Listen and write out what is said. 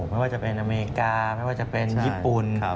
ไม่ว่าจะเป็นอเมริกาไม่ว่าจะเป็นญี่ปุ่น